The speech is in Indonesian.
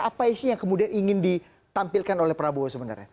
apa sih yang kemudian ingin ditampilkan oleh prabowo sebenarnya